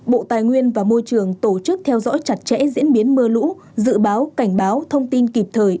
bộ tài nguyên và môi trường tổ chức theo dõi chặt chẽ diễn biến mưa lũ dự báo cảnh báo thông tin kịp thời